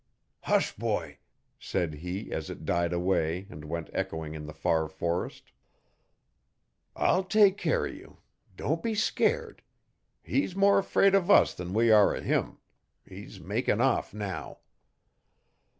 'Hush, boy,' said he as it died away and went echoing in the far forest. 'I'll take care o' you. Don't be scairt. He's more 'fraid uv us than we are o' him. He's makin' off now.'